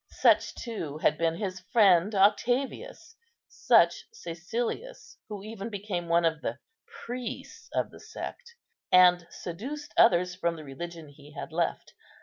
Such, too, had been his friend Octavius; such Cæcilius, who even became one of the priests of the sect, and seduced others from the religion he had left.